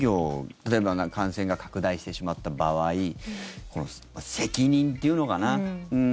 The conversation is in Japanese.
例えば感染が拡大してしまった場合責任というのかな。